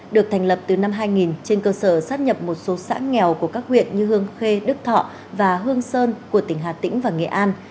được thành lập từ năm hai nghìn trên cơ sở sát nhập một số xã nghèo của các huyện như hương khê đức thọ và hương sơn của tỉnh hà tĩnh và nghệ an